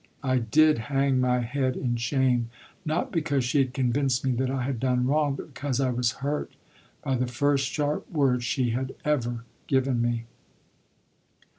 I did hang my head in shame, not because she had convinced me that I had done wrong, but because I was hurt by the first sharp word she had ever given me.